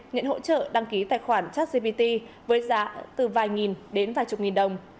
nhận hỗ trợ đăng ký tài khoản chát cpt với giá từ vài nghìn đến vài chục nghìn đồng